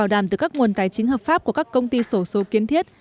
đàn từ các nguồn tài chính hợp pháp của các công ty sổ số kiến thiết